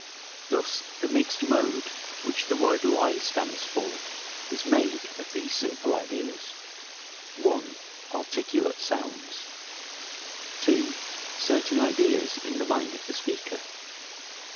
Thus, the mixed mode which the word LIE stands for is made of these simple ideas:—(1) Articulate sounds. (2) Certain ideas in the mind of the speaker.